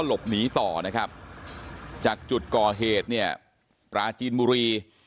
หลบหนีต่อนะครับจากจุดก่อเหตุเนี่ยปราจีนบุรี